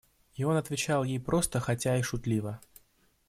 И он отвечал ей просто, хотя и шутливо.